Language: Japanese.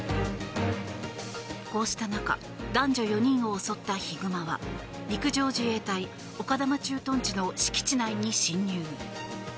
こうした中男女４人を襲ったヒグマは陸上自衛隊丘珠駐屯地の敷地内に侵入。